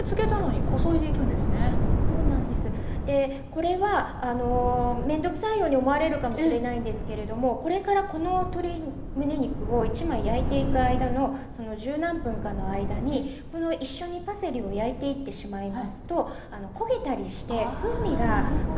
これは面倒くさいように思われるかもしれないんですけれどもこれからこの鶏むね肉を１枚焼いていく間の十何分かの間に一緒にパセリを焼いていってしまいますと焦げたりして風味が変わってしまいます。